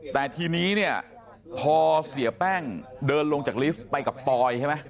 แต่ทีนี้เนี่ยพอเสียแป้งเดินลงจากลิฟต์ไปกับปอยใช่ไหม